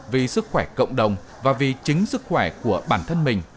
vì sức khỏe cộng đồng và vì chính sức khỏe của bản thân mình